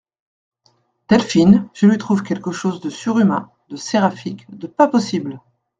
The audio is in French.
Delphine Je lui trouve quelque chose de surhumain, de séraphique, de pas possible !